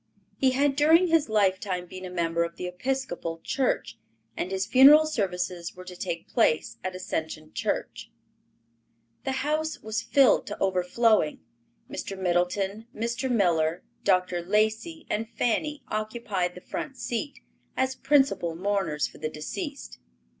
He had during his lifetime been a member of the Episcopal church, and his funeral services were to take place at Ascension Church. The house was filled to overflowing. Mr. Middleton, Mr. Miller, Dr. Lacey and Fanny occupied the front seat, as principal mourners for the deceased.